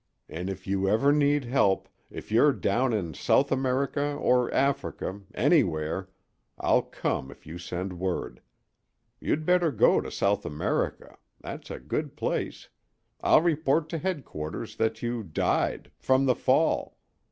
And if you ever need help if you're down in South America or Africa anywhere I'll come if you send word. You'd better go to South America. That's a good place. I'll report to headquarters that you died from the fall.